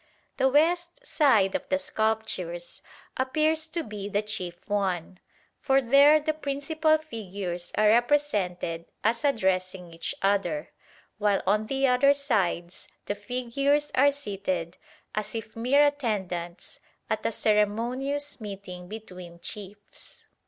The west side of the sculptures appears to be the chief one, for there the principal figures are represented as addressing each other, while on the other sides the figures are seated as if mere attendants at a ceremonious meeting between chiefs.